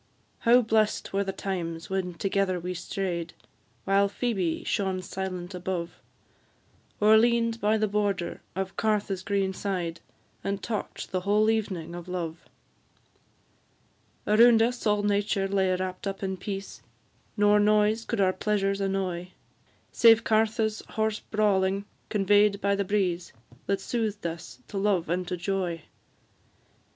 How blest were the times when together we stray'd, While Phoebe shone silent above, Or lean'd by the border of Cartha's green side, And talk'd the whole evening of love! Around us all nature lay wrapt up in peace, Nor noise could our pleasures annoy, Save Cartha's hoarse brawling, convey'd by the breeze, That soothed us to love and to joy.